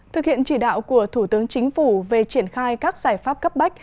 thực hiện chỉ đạo của thủ tướng chính phủ về triển khai các giải pháp cấp bách